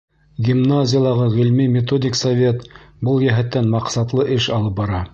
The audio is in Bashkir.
Гимназиялағы ғилми-методик совет был йәһәттән маҡсатлы эш алып бара.